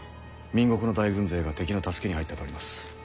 明国の大軍勢が敵の助けに入ったとあります。